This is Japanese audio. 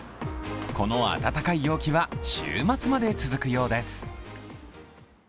この暖かい陽気は週末まで続くようです。